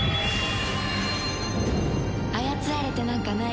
操られてなんかない。